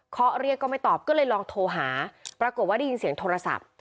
เขาเรียกก็ไม่ตอบก็เลยลองโทรหาปรากฏว่าได้ยินเสียงโทรศัพท์